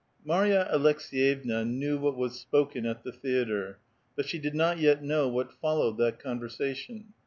MakyaAlekseyevna knew what was spoken at the theatre, but she did not yet know what followed that conversation.